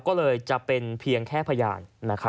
ก็เลยจะเป็นเพียงแค่พยาน